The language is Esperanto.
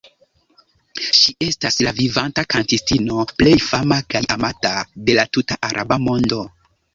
Ŝi estas la vivanta kantistino plej fama kaj amata de la tuta Araba mondo.